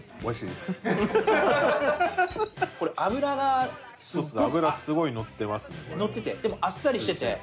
でもあっさりしてて。